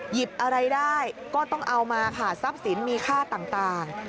หยิบอะไรได้ก็ต้องเอามาค่ะทรัพย์สินมีค่าต่าง